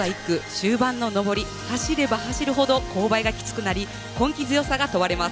終盤の上り走れば走るほど勾配がきつくなり根気強さが問われます。